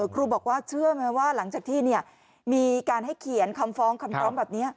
ครูบอกว่าเชื่อไหมว่าหลังจากที่มีการให้เขียนคำฟ้องคำร้องแบบนี้